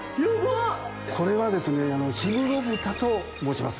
これはですね氷室豚と申します。